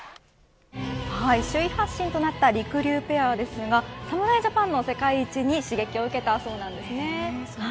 首位発進となったりくりゅうペアですが侍ジャパンの世界一に刺激を受けたそうなんですね。